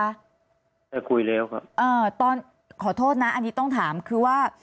ได้คุยแล้วครับเอ่อตอนขอโทษนะอันนี้ต้องถามคือว่า